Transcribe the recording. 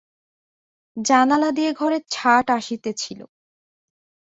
জানালা দিয়ে ঘরে ছাট আসিতেছিল।